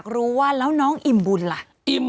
คุณหนุ่มกัญชัยได้เล่าใหญ่ใจความไปสักส่วนใหญ่แล้ว